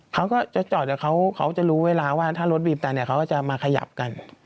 เขาก็จะจอดแต่เขาจะรู้เวลาว่าถ้ารถบีบแต่เนี่ยเขาก็จะมาขยับกัน